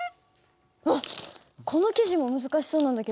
あっこの記事も難しそうなんだけど。